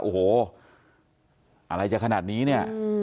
โอ้โหอะไรจะขนาดนี้เนี่ย